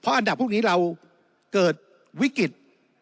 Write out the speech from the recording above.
อันดับพวกนี้เราเกิดวิกฤต